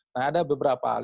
nah ada beberapa hal